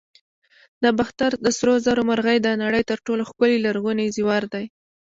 د باختر د سرو زرو مرغۍ د نړۍ تر ټولو ښکلي لرغوني زیور دی